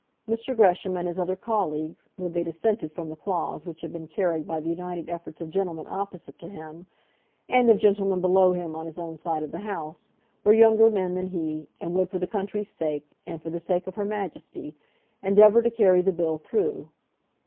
Mr. Gresham and his other colleagues, though they dissented from the clause which had been carried by the united efforts of gentlemen opposite to him, and of gentlemen below him on his own side of the House, were younger men than he, and would, for the country's sake, and for the sake of Her Majesty, endeavour to carry the bill through.